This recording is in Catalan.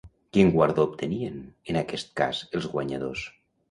Quin guardó obtenien, en aquest cas, els guanyadors?